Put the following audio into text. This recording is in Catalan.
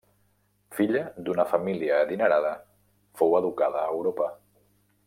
Filla d'una família adinerada, fou educada a Europa.